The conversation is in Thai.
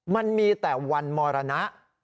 มันมีแต่วันมรณะ